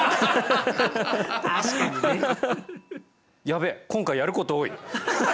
やべえ今回やること多い。